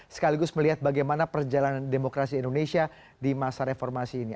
sekaligus melihat bagaimana perjalanan demokrasi indonesia di masa reformasi ini